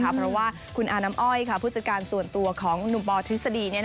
เพราะว่าคุณอาน้ำอ้อยผู้จัดการส่วนตัวของหนุ่มปอทฤษฎี